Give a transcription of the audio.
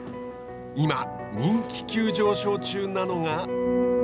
今、人気急上昇中なのが。